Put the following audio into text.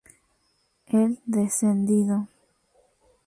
El Descendido.